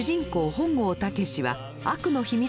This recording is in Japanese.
本郷猛は悪の秘密